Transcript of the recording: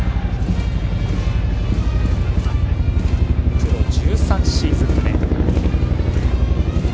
プロ１３シーズン目。